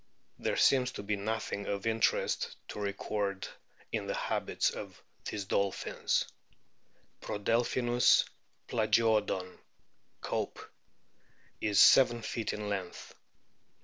There seems to be nothino of interest to record in the habits of o these dolphins. Prodelphinus plagiodon, Cope,* is seven feet in length.